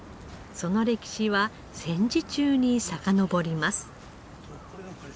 その歴史は戦時中にさかのぼります。